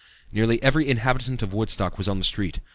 Nearly every inhabitant of Woodstock was on the street.